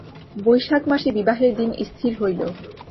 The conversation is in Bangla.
বৈশাখ মাসে বিবাহের দিন স্থির হইল।